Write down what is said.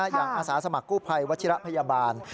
อาสาสมัครกู้ภัยวัชิระพยาบาล